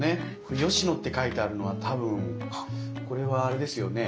これ「吉野」って書いてあるのは多分これはあれですよね